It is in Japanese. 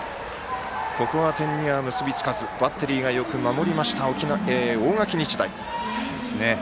ここは点には結びつかずバッテリーがよく守りました大垣日大。